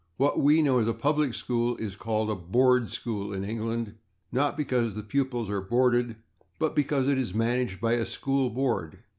What we know as a /public school/ is called a /board school/ in England, not because the pupils are boarded but because it is managed by a school board.